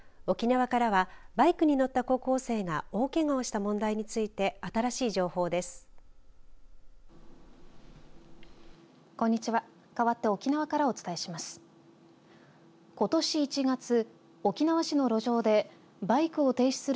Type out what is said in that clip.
沖縄からはバイクに乗った高校生が大けがをした問題について新しい情報です。